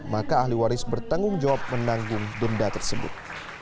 maka ahli waris bertanggung jawab menanggung denda tersebut